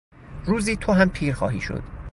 روزی تو هم پیر خواهی شد.